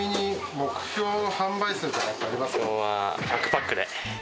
目標は１００パックで。